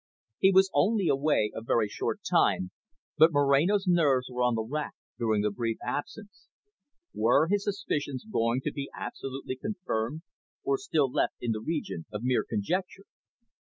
He was only away a very short time, but Moreno's nerves were on the rack during the brief absence. Were his suspicions going to be absolutely confirmed, or still left in the region of mere conjecture?